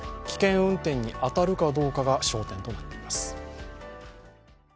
危険運転に当たるかどうかが焦点となっています。